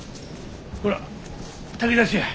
ほら炊き出しや。